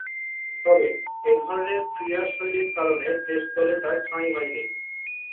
তবে, এ ধরনের ক্রীড়াশৈলীর কারণে টেস্ট দলে তার ঠাঁই হয়নি।